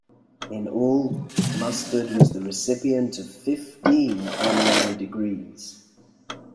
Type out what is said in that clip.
In all, Mustard was the recipient of fifteen honorary degrees.